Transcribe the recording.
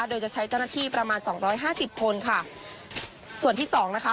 โดยจะใช้เจ้าหน้าที่ประมาณสองร้อยห้าสิบคนค่ะส่วนที่สองนะคะ